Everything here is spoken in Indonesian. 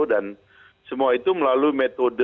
dan semua itu melalui metode